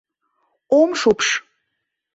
Ом шупш.